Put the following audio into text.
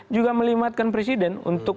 juga melimatkan presiden untuk